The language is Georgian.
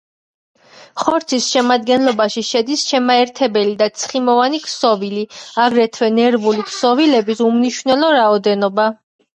ხორცის შედგენილობაში შედის შემაერთებელი და ცხიმოვანი ქსოვილი, აგრეთვე ნერვული ქსოვილების უმნიშვნელო რაოდენობა.